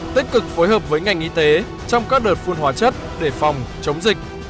tích cực phối hợp với ngành y tế trong các đợt phun hóa chất để phòng chống dịch